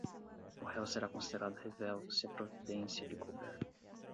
o réu será considerado revel, se a providência lhe couber;